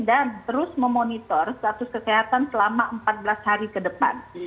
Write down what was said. dan terus memonitor status kesehatan selama empat belas hari ke depan